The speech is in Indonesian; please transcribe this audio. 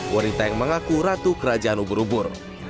wanita yang mengaku ratu kerajaan ubur ubur